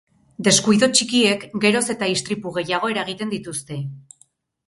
Deskuidu txikiek geroz eta istripu gehiago eragiten dituzte.